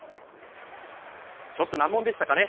ちょっと難問でしたかね。